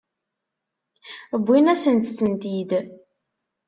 Wwin-asent-tent-id.